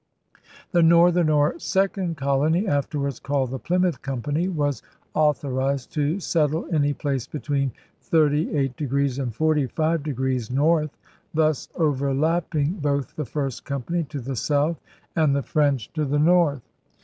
' The northern or ' second colony, ' after wards called the Plymouth Company, was author ized to settle any place between 38° and 45° north, thus overlapping both the first company to the south and the French to the north.